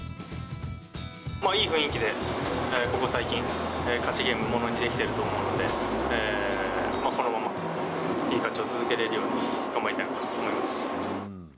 いい雰囲気でここ最近、勝ちゲームをものにできていると思うので、このまま、いい勝ちを続けられるように頑張りたいと思います。